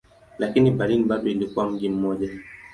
Lakini Berlin bado ilikuwa mji mmoja.